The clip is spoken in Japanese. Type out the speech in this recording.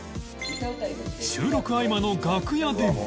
収録合間の楽屋でも